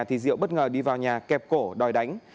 thì diệu bất ngờ đi vào nhà kẹp cổ đòi đánh